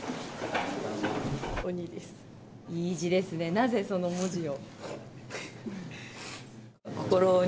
なぜその文字を？